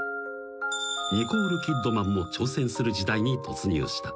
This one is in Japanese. ［ニコール・キッドマンも挑戦する時代に突入した］